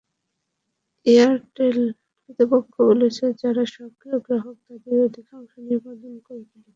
Airtel কর্তৃপক্ষ বলছে, যাঁরা সক্রিয় গ্রাহক তাঁদের অধিকাংশই নিবন্ধন করে ফেলেছেন।